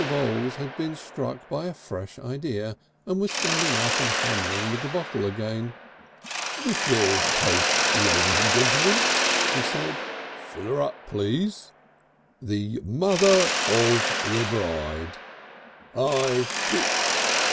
Voules had been struck by a fresh idea and was standing up and hammering with the bottle again. "The third Toast, ladies and gentlemen," he said; "fill up, please. The Mother of the bride. I er.... Uoo....